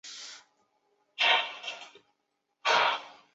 莱维尼亚克。